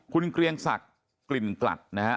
คุณกะเรียงศักดิ์กลิ่นกลัดนะครับ